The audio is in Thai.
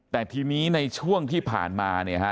แต่ทีนี้ในช่วงที่ผ่านมาเนี่ยฮะ